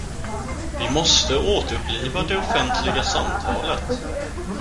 Vi måste återuppliva det offentliga samtalet.